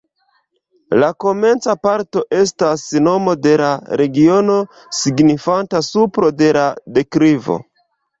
La komenca parto estas nomo de la regiono, signifanta supro de la deklivo.